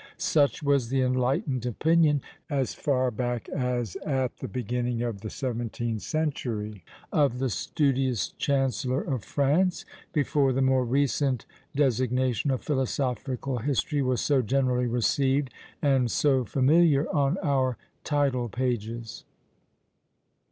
Such was the enlightened opinion, as far back as at the beginning of the seventeenth century, of the studious chancellor of France, before the more recent designation of Philosophical History was so generally received, and so familiar on our title pages.